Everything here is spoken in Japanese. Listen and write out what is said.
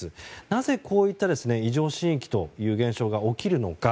なぜこういった異常震域という現象が起きるのか。